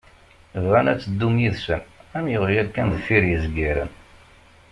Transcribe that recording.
Bɣan ad teddum yid-sen am yeɣyal kan deffir izgaren.